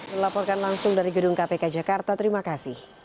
melaporkan langsung dari gedung kpk jakarta terima kasih